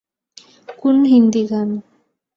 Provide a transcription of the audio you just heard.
- কোন হিন্দী গান?